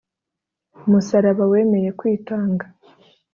musaraba, wemeye kwitanga